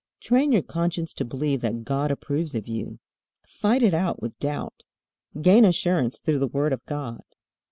Train your conscience to believe that God approves of you. Fight it out with doubt. Gain assurance through the Word of God.